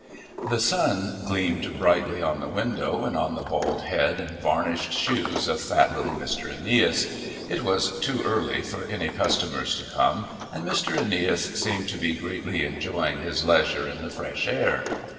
The sun gleamed brightly on the window and on the bald head and varnished shoes of fat little Mr. Aeneas. It was too early for any customers to come, and Mr. Aeneas seemed to be greatly enjoying his leisure in the fresh air.